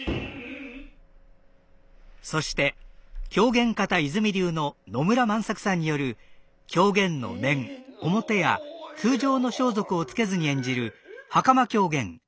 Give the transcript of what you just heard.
そして狂言方和泉流の野村万作さんによる狂言の面面や通常の装束を着けずに演じる袴狂言「釣狐」です。